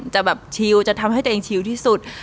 จะแบบชิลจะทำให้ตัวเองชิวที่สุด